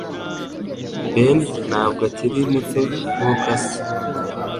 Ben ntabwo akiri muto nkuko asa